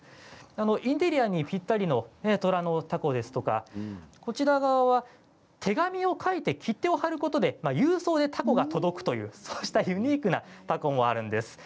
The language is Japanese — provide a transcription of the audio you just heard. インテリアにぴったりのとらの凧ですとか手紙を書いて切手を貼ることで郵送で凧が届くというユニークな凧もあるんです。